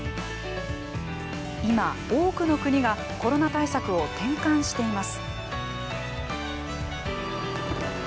今、多くの国がコロナ対策を転換しています。